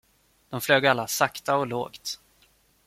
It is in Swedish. De flög alla sakta och lågt.